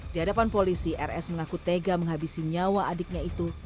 di hadapan polisi rs mengaku tega menghabisi nyawa adiknya itu